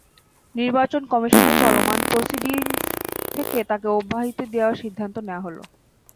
নির্বাচন কমিশনের চলমান প্রসিডিংস থেকে তাঁকে অব্যাহতি দেওয়ার সিদ্ধান্ত দেওয়া হলো।